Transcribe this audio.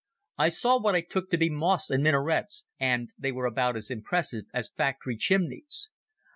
I saw what I took to be mosques and minarets, and they were about as impressive as factory chimneys.